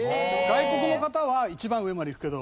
外国の方は一番上まで行くけど。